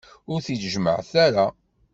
Ur t-id-jemmɛet ara.